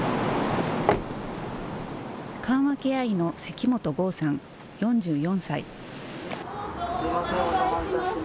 緩和ケア医の関本剛さん４４歳。